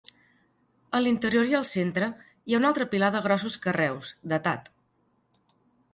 A l'interior i al centre hi ha un altre pilar de grossos carreus, datat.